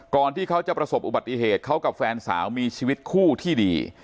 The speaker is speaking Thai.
ที่เขาจะประสบอุบัติเหตุเขากับแฟนสาวมีชีวิตคู่ที่ดี